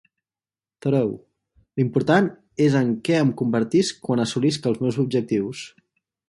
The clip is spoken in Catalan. Thoreau: l'important és en què em convertisc quan assolisc els meus objectius.